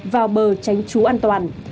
vào bờ tránh trú an toàn